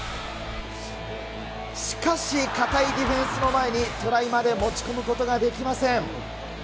しかし堅いディフェンスの前に、トライまで持ち込むことができません。